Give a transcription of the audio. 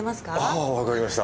ああわかりました。